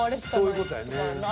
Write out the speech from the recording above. そういう事やね。